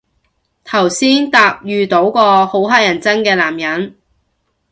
頭先搭遇到個好乞人憎嘅男人